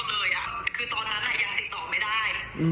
ก็ได้จริงตอนนั้นเนอะยังติดต่อไม่ได้